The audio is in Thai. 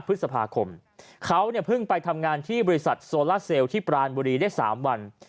พฤษภาคมเขาเนี่ยเพิ่งไปทำงานที่บริษัทโซล่าเซลที่ปรานบุรีได้๓วัน